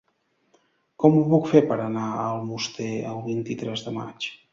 Com ho puc fer per anar a Almoster el vint-i-tres de maig?